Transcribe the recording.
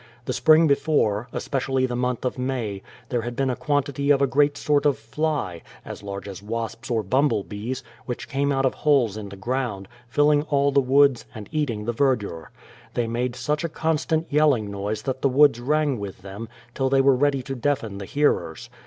The Spring before, especially the month of May, there had been a quantity of a great sort of fly, as large as wasps or bumble bees, which came out of holes in the ground, fill ing all the woods, and eating the verdure. They made such a constant yelling noise that the woods rang with them, till they were ready to deafen the hearers.